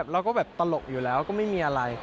เราก็แบบตลกอยู่แล้วก็ไม่มีอะไร